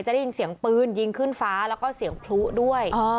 ได้ยินเสียงปืนยิงขึ้นฟ้าแล้วก็เสียงพลุด้วย